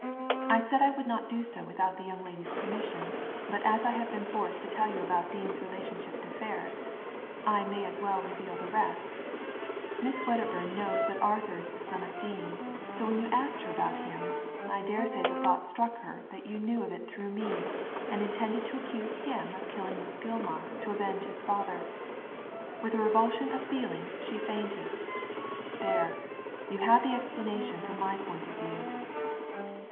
^ I said I would not do so without the young lady's permission, but as I have been forced to te]l you about Dean's relationship to Ferris, I may as well reveal the rest Miss Wedderburn knows that Arthur is the son of Dean, so when you asked her about him, I dare say the thought struck her that you knew of it through me, and intended to accuse him of killing Miss Gilmar to avenge his father. With a revulsion of feeling she fainted. There — ^you have the explanation from my point of view."